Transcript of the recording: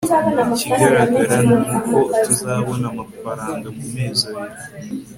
ikigaragara ni uko tuzabona amafaranga mu mezi abiri